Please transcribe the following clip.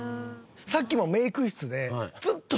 さっきもメイク室で。